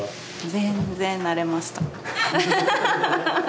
全然慣れました